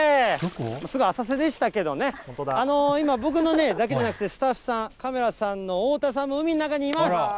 すごい浅瀬でしたけれどもね、今、僕だけじゃなくて、スタッフさん、カメラさんの太田さんも海の中にいます。